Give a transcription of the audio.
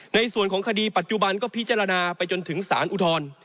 ในส่วนของคดีปัจจุบันก็พิจารณาไปจนถึงสารอุทธรณ์